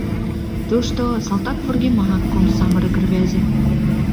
Тушто — салтак вургеман кум самырык рвезе.